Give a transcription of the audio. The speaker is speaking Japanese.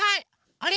あれ？